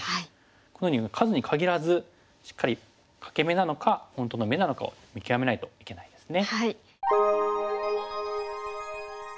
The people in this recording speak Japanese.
このように数に限らずしっかり欠け眼なのか本当の眼なのかを見極めないといけないですね。